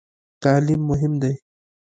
تعلیم مهم دی؟